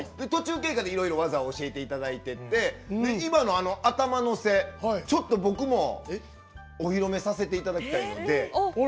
途中経過で、いろいろ技を教えていただいてて今の頭乗せちょっと僕もお披露目させていただきたいので。